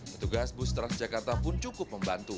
petugas bus transjakarta pun cukup membantu